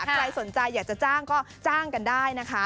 ใครสนใจอยากจะจ้างก็จ้างกันได้นะคะ